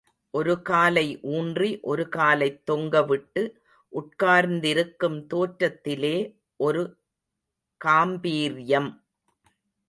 ஒரு காலை ஊன்றி, ஒரு காலைத் தொங்க விட்டு உட்கார்ந்திருக்கும் தோற்றத்திலே ஒரு காம்பீர்யம்.